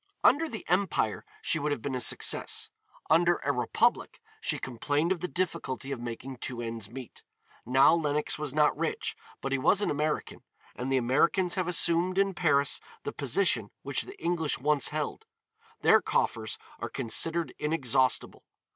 Under the empire she would have been a success; under a republic she complained of the difficulty of making two ends meet. Now Lenox was not rich, but he was an American, and the Americans have assumed in Paris the position which the English once held. Their coffers are considered inexhaustible.